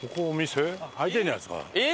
開いてるんじゃないですか？